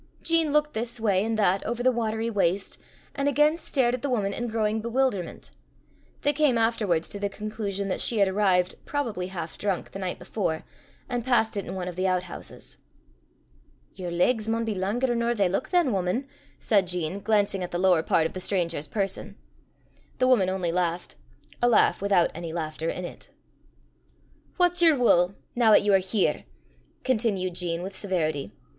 Jean looked this way and that over the watery waste, and again stared at the woman in growing bewilderment. They came afterwards to the conclusion that she had arrived, probably half drunk, the night before, and passed it in one of the outhouses. "Yer legs maun be langer nor they luik than, wuman," said Jean, glancing at the lower part of the stranger's person. The woman only laughed a laugh without any laughter in it. "What's yer wull, noo 'at ye are here?" continued Jean with severity.